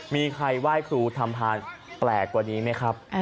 มีใครไหว้ครูทำพานแปลกกว่านี้ไหมครับ